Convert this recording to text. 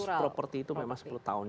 terus properti itu memang sepuluh tahun